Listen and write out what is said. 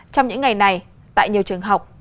trong những ngày này tại nhiều trường học